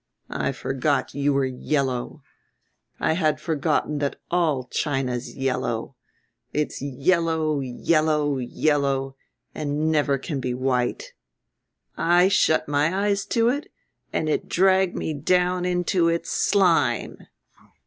I forgot you were yellow, I had forgotten that all China's yellow. It's yellow, yellow, yellow and never can be white. I shut my eyes to it and it dragged me down into its slime."